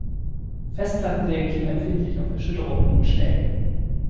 Festplatten reagieren empfindlich auf Erschütterungen und Schläge.